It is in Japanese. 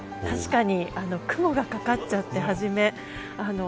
確かに、雲がかかっちゃって始めは。